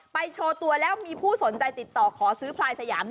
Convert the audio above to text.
โชว์ตัวแล้วมีผู้สนใจติดต่อขอซื้อพลายสยาม